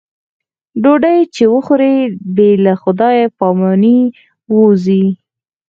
ډوډۍ چې وخوري بې له خدای په امانۍ وځي.